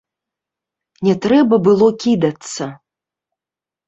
Не трэба было кідацца.